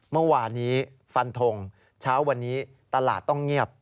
เมื่อวานนี้ฟันทงเช้าวันนี้ตลาดต้องเงียบ